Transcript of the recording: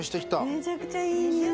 めちゃくちゃいいにおい！